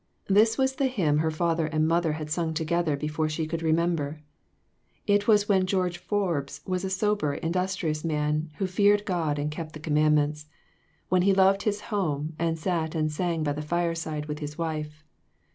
This was the hymn her father and mother had sung together before she could remember. It was when George Forbes was a sober, industrious man, who feared God and kept the commandments ; when he loved his home and sat and sang by the fireside with his wife.